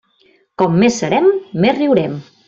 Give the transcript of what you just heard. Com més serem, més riurem.